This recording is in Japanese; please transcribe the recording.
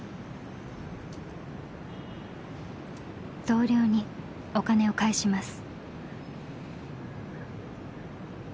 同僚にお金を返します。